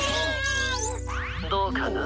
☎どうかな？